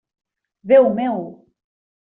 Déu meu!